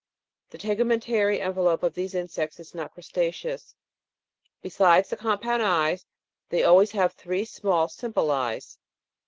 The tegumen tary envelope of these insects is not crustaceous ; besides the compound eyes, they always have, three small simple eyes.